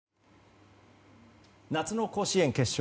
夏の甲子園、決勝。